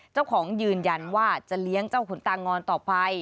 เจ้าของร้านยืนยันว่าจะเลี้ยงเจ้าขุนตางอนต่อไป